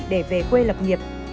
để về quê lập nghiệp